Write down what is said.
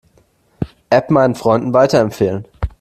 App meinen Freunden weiterempfehlen.